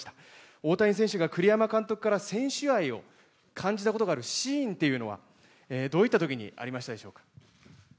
大谷選手が栗山監督から選手愛を感じたことがあるシーンというのはどういった時にありましたでしょうか。